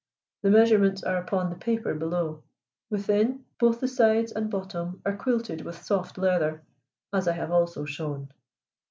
The measurements are upon the paper below. Within, both the sides and bottom are quilted with soft leather, as I have also shown.